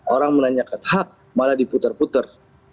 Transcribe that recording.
orang menanyakan hak malah diputar putar